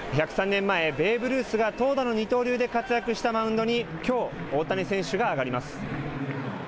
１０３年前、ベーブ・ルースが投打の二刀流で活躍したマウンドにきょう大谷選手が上がります。